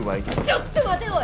ちょっと待ておい！